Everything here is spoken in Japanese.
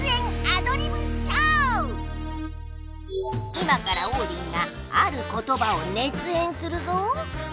今からオウリンがある言ばを熱演するぞ。